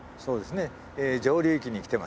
上流域に来てます。